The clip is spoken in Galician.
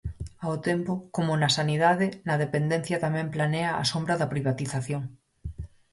Ao tempo, como na sanidade, na dependencia tamén planea a sombra da privatización.